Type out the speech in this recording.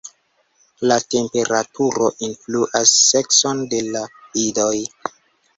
La temperaturo influas sekson de la idoj.